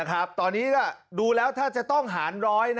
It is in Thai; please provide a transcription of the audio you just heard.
ตอนนี้ดูแล้วท่าจะต้องหาร๑๐๐